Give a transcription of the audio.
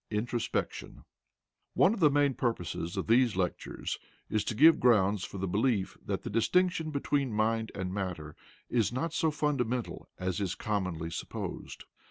INTROSPECTION One of the main purposes of these lectures is to give grounds for the belief that the distinction between mind and matter is not so fundamental as is commonly supposed.